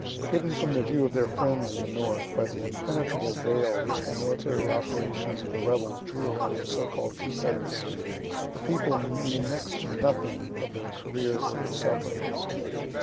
Hidden from the view of their friends in the north by the impenetrable veil which the military operations of the rebels drew around the so called confederacy, the people knew next to nothing of their career or their sufferings.